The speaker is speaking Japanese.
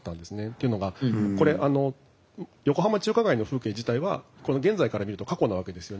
というのがこれ横浜中華街の風景自体はこの現在から見ると過去なわけですよね。